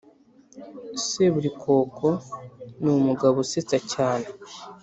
seburikoko ni umugabo usetsa cyane